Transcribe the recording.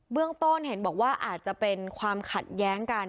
เรื่องต้นเห็นบอกว่าอาจจะเป็นความขัดแย้งกัน